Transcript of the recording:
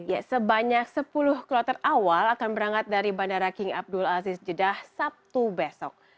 ya sebanyak sepuluh kloter awal akan berangkat dari bandara king abdul aziz jeddah sabtu besok